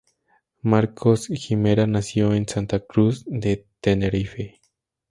Marcos Guimerá nació en Santa Cruz de Tenerife.